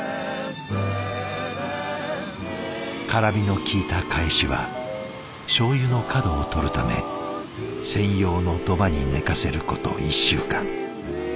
辛みのきいたかえしはしょうゆの角をとるため専用の土間に寝かせること１週間。